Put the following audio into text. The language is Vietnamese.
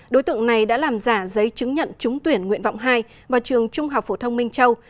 đối tượng này đã làm giả giấy chứng nhận trúng tuyển nguyện vọng hai vào trường trung học phổ thông minh châu